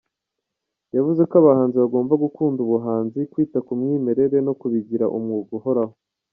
Yavuze ko abahanzi bagomba gukunda ubuhanzi, kwita ku mwimerere no kubigira umwuga uhoraho.